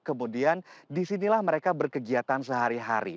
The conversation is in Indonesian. kemudian di sinilah mereka berkegiatan sehari hari